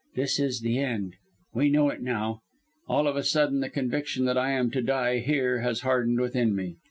This is the end. We know it now. All of a sudden the conviction that I am to die here has hardened within me.